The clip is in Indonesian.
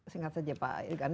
singkat saja pak ilgan